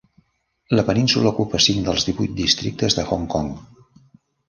La península ocupa cinc dels divuit districtes de Hong Kong.